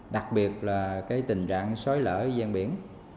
đặc biệt là cái tình trạng xói lở giang biển